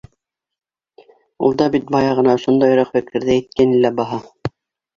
Ул да бит бая ғына ошондайыраҡ фекерҙе әйткәйне лә баһа: